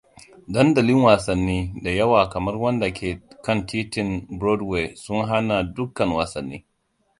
Dandalin wassani da yawa kamar wanda ke kan titin broadway sun hana dukkan wasanni.